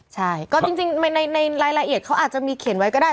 ใช่ก็จริงในรายละเอียดเขาอาจจะมีเขียนไว้ก็ได้